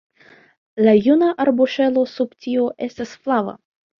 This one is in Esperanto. La juna arboŝelo sub tio estas flava.